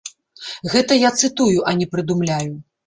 Гэта я цытую, а не прыдумляю.